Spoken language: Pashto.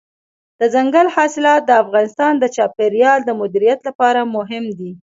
دځنګل حاصلات د افغانستان د چاپیریال د مدیریت لپاره مهم دي.